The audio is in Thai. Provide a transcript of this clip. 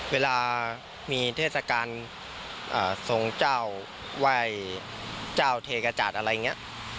เวลามีเทศกาลทรงเจ้าไหว้เจ้าเทกระจัดอะไรอย่างนี้